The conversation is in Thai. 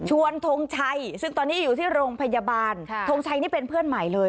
ทงชัยซึ่งตอนนี้อยู่ที่โรงพยาบาลทงชัยนี่เป็นเพื่อนใหม่เลย